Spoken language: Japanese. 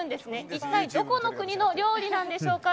一体どこの国の料理なんでしょうか。